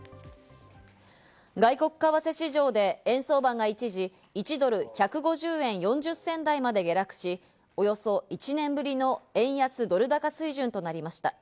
外国為替市場で円相場が一時、１ドル＝１５０円４０銭台まで下落し、およそ１年ぶりの円安ドル高水準となりました。